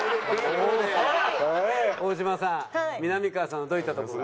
大島さんみなみかわさんのどういったとこが？